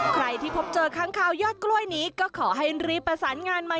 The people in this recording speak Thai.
ใครที่พบเจอค้างคาวยอดกล้วยนี้ก็ขอให้รีบประสานงานมา